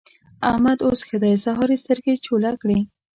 احمد اوس ښه دی؛ سهار يې سترګې چوله کړې.